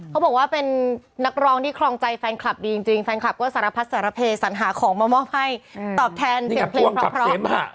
เขาบอกว่าเป็นนักร้องที่ครองใจแฟนคลับดีจริงแฟนคลับก็สารพัดสารเพสัญหาของมามอบให้ตอบแทนเสียงเพลงเพราะ